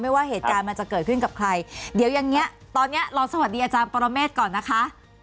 ว่าเหตุการณ์มันจะเกิดขึ้นกับใครเดี๋ยวอย่างเงี้ยตอนเนี้ยเราสวัสดีอาจารย์ปรเมฆก่อนนะคะ